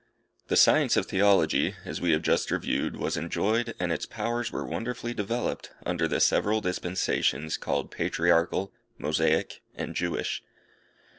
The science of Theology, as we have just reviewed, was enjoyed, and its powers were wonderfully developed, under the several dispensations called Patriarchal, Mosaic, and Jewish.